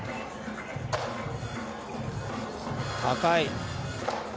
高い！